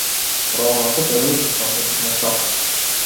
Романот се темели врз концептот на шахот.